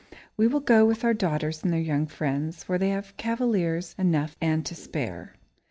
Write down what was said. We will go with our daughters and their young friends, for they have cavaliers enough and to spare.